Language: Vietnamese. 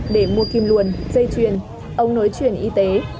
để mua kim luồn dây chuyền ống nối chuyển y tế